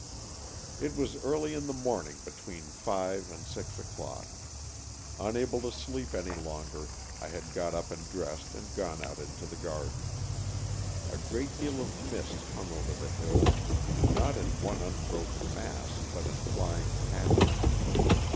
It was early in the morning between five and six o'clock. Unable to sleep any longer^ I had got up and dressed and gone out into the garden. A great deal of mist hung over the hill, not in one unbroken mass, but in flying patches.